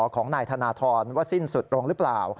ของนายธนทรว่าสิ้นสุดลงหรือเปล่า